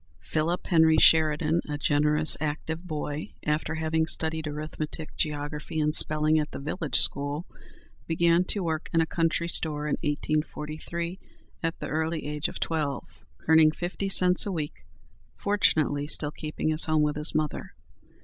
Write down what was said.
Philip Henry Sheridan, a generous, active boy, after having studied arithmetic, geography, and spelling at the village school, began to work in a country store in 1843, at the early age of twelve, earning fifty cents a week, fortunately, still keeping his home with his mother.